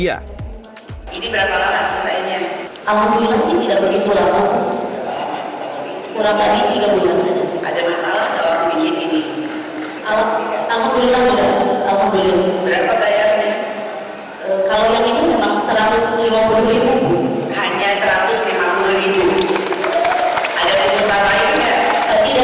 ada penghutan lainnya